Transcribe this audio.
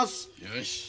よし。